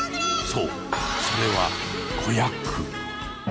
そうそれは子役。